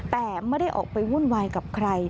แต่ไม่ได้ออกไปวุ่นวายกับใคร